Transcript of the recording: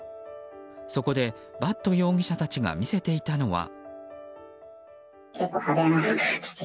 そこで、伐渡容疑者たちが見せていたのは。